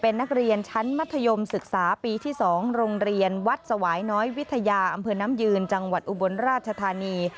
เป็นนักเรียนชั้นมัธยมศึกษาปีที่๒โรงเรียนวัดสวายน้อยวิทยาอำเภอน้ำยืนจังหวัดอุบลราชธานี